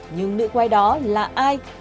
nhưng nữ quái đó là ai